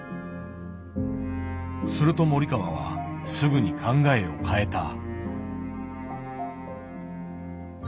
すると森川はすぐに考えを変えた。